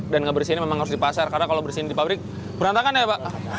dan ngebersihin memang harus di pasar karena kalau bersihin di pabrik berantakan ya pak